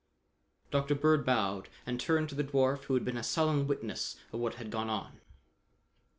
Dr. Bird bowed and turned to the dwarf who had been a sullen witness of what had gone on.